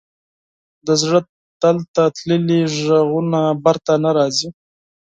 د زړه تل ته تللي ږغونه بېرته نه راځي.